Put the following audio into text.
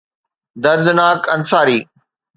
دردناڪ انصاري